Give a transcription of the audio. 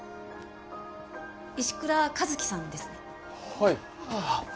はい。